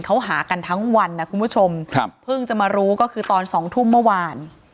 เขาหากันทั้งวันนะคุณผู้ชมครับเพิ่งจะมารู้ก็คือตอนสองทุ่มเมื่อวาน